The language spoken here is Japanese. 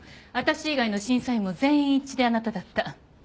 私以外の審査員も全員一致であなただった。